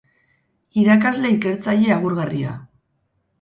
Irakasle-Ikertzaile agurgarria.